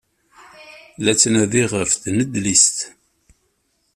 La ttnadiɣ ɣef tnedlist.